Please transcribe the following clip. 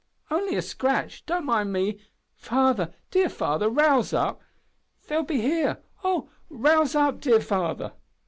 "Only a scratch. Don't mind me. Father! dear father rouse up! They will be here oh! rouse up, dear father!"